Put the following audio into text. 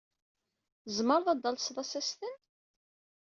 Tzemreḍ ad d-talseḍ asasten?